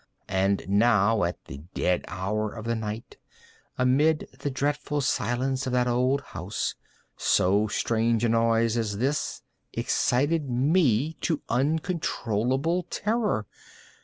And now at the dead hour of the night, amid the dreadful silence of that old house, so strange a noise as this excited me to uncontrollable terror.